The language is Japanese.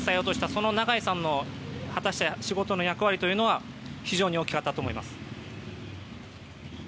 その長井さんの仕事の役割というのは非常に大きかったと思います。